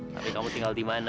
tapi kamu tinggal di mana